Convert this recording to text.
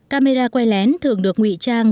camera quay lén thường được nguy trang